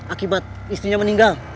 akibat istrinya meninggal